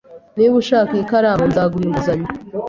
Niba ushaka iyi karamu, nzaguha inguzanyo.